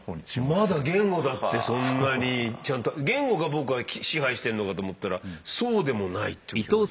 まだ言語だってそんなにちゃんと言語が僕は支配してるのかと思ったらそうでもないっていうことで。